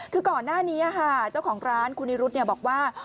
คือก่อนหน้านี้เจ้าของร้านคุณนิรุธบอกว่า